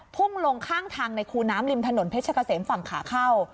พุ่งลงข้างทางในคูน้ำริมถนนเพชรกะเสมฝั่งขาเข้า